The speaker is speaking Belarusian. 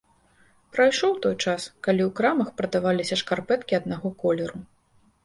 Прайшоў той час, калі у крамах прадаваліся шкарпэткі аднаго колеру.